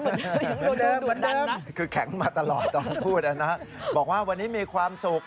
ยังโดนดันนะคือแข็งมาตลอดตอนพูดนะครับบอกว่าวันนี้มีความสุข